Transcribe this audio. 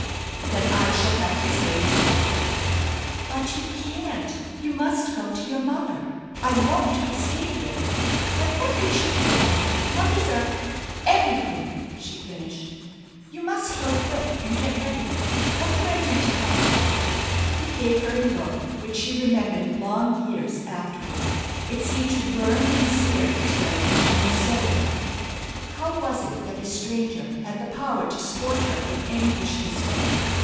"Then I shall have to stay too." "But you can't! You must go to your mother. I won't be stayed with. And what would she think? Mothers are everything!" she finished. "You must go quick and get ready. What can I do to help?" He gave her a look which she remembered long years afterward. It seemed to burn and sear its way into her soul. How was it that a stranger had the power to scorch her with anguish this way?